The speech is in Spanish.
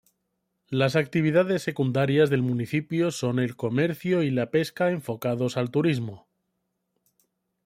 Las actividades secundarias del municipio son el comercio y la pesca enfocados al turismo.